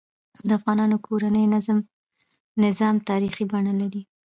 د افغانانو کورنۍ نظام تاریخي بڼه لري.